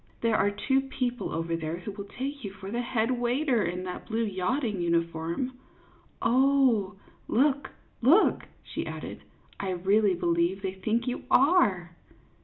There are two people over there who will take you for the head waiter, in that blue yachting uniform. Oh, look, look," she added, " I really believe they think you are